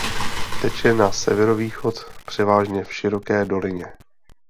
Teče na severovýchod převážně v široké dolině.